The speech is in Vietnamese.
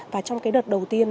và trong đợt đầu tiên